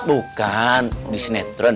bukan di senetron